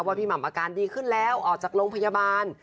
พี่หม่ำอาการดีขึ้นแล้วออกจากโรงพยาบาล